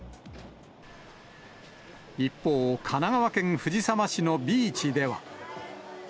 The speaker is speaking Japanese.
一方、神奈川県藤沢市のビーチでは。